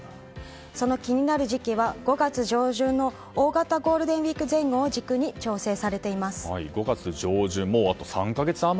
その気になる時期は５月上旬の大型ゴールデンウィーク前後で５月上旬。